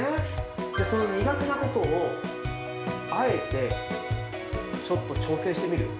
じゃあ、その苦手なことをあえてちょっと挑戦してみる。